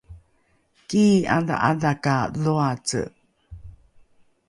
kii’adha’adha ka dhoace